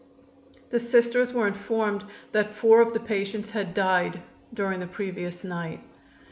The Sisters were informed that four of the patients had died during the previous night.